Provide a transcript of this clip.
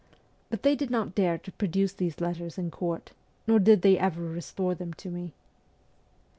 But they did not dare to produce these letters in court, nor did they ever restore them to me.